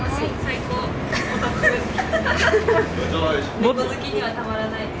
猫好きにはたまらないです。